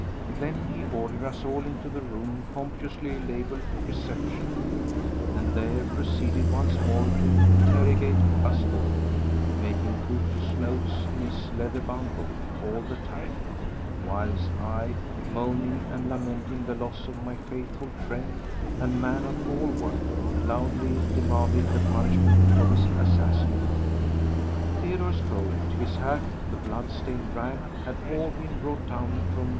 Then he ordered us all into the room pompously labelled "Réception," and there proceeded once more to interrogate us all, making copious notes in his leather bound book all the time, whilst I, moaning and lamenting the loss of my faithful friend and man of all work, loudly demanded the punishment of his assassin. Theodore's coat, his hat, the blood stained rag, had all been brought down from No.